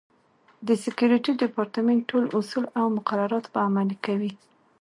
د سکورټي ډیپارټمنټ ټول اصول او مقررات به عملي کوي.